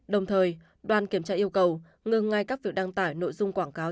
đồng thời đoàn kiểm tra yêu cầu ngừng ngay các việc đăng tải nội dung quảng cáo